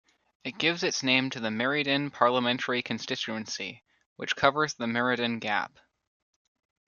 It gives its name to the Meriden parliamentary constituency, which covers the Meriden Gap.